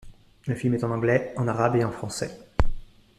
Le film est en anglais, en arabe et en français.